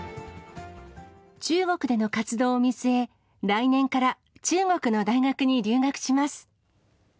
中国での活動を見据え、来年から中国の大学に留学します。